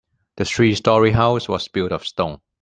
The three story house was built of stone.